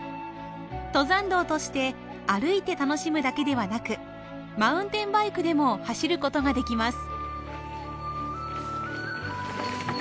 登山道として歩いて楽しむだけではなくマウンテンバイクでも走ることができます。